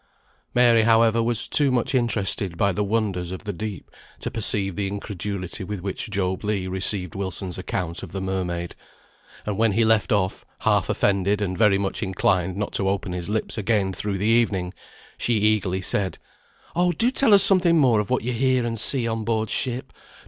Mary, however, was too much interested by the wonders of the deep to perceive the incredulity with which Job Legh received Wilson's account of the mermaid; and when he left off, half offended, and very much inclined not to open his lips again through the evening, she eagerly said, "Oh do tell us something more of what you hear and see on board ship.